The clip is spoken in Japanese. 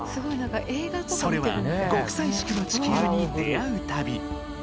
それは極彩色の地球に出会う旅。